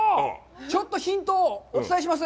ちょっとヒントをお伝えします。